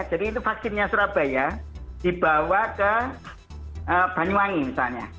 jadi itu vaksinnya surabaya dibawa ke banyuwangi misalnya